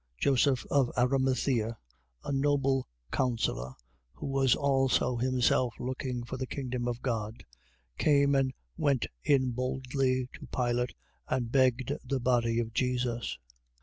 Joseph of Arimathea, a noble counsellor, who was also himself looking for the kingdom of God, came and went in boldly to Pilate and begged the body of Jesus.